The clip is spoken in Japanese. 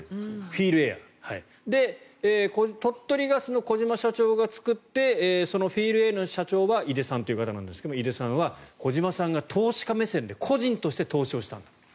フィールエア鳥取ガスの児嶋社長が作ってそのフィールエアの社長は井手さんという方ですが井手さんは児島さんが投資家目線で個人として投資したんだと。